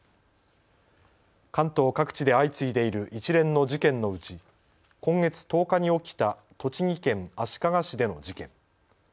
関東各地で相次いでいる一連の事件のうち、今月１０日に起きた栃木県足利市での事件。